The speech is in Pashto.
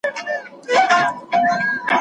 موږ خو ګلونه د هر چا تر ستـرګو بد ايـسـو